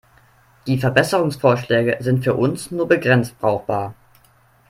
Die Verbesserungsvorschläge sind für uns nur begrenzt brauchbar.